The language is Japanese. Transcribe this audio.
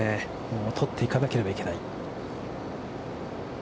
取っていかなければいけない。